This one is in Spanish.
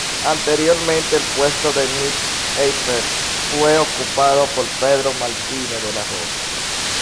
Anteriormente, el puesto de Nick Heidfeld fue ocupado por Pedro Martínez de la Rosa.